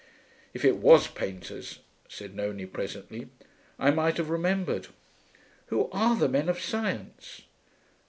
'If it was painters,' said Nonie presently, 'I might have remembered. Who are the men of science?'